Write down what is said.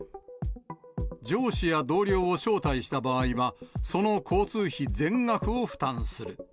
上司や同僚を招待した場合は、その交通費全額を負担する。